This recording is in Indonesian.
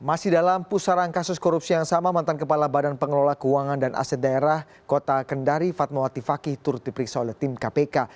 masih dalam pusaran kasus korupsi yang sama mantan kepala badan pengelola keuangan dan aset daerah kota kendari fatmawati fakih turut diperiksa oleh tim kpk